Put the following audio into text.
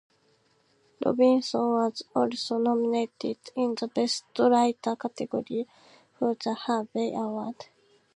Robinson was also nominated in the Best Writer category for the Harvey Award.